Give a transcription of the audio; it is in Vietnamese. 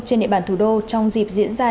trên địa bàn thủ đô trong dịp diễn ra